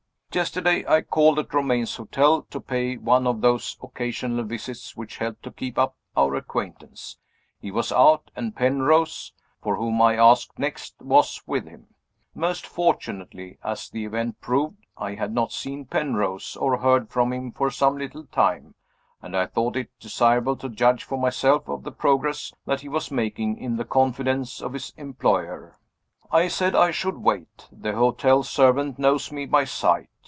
Yesterday, I called at Romayne's hotel to pay one of those occasional visits which help to keep up our acquaintance. He was out, and Penrose (for whom I asked next) was with him. Most fortunately, as the event proved, I had not seen Penrose, or heard from him, for some little time; and I thought it desirable to judge for myself of the progress that he was making in the confidence of his employer. I said I would wait. The hotel servant knows me by sight.